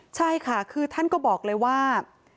ใช่ค่ะคือท่านก็บอกเลยว่า